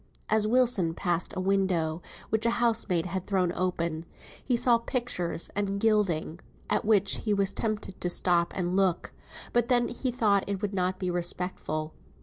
As Wilson passed a window which a housemaid had thrown open, he saw pictures and gilding, at which he was tempted to stop and look; but then he thought it would not be respectful.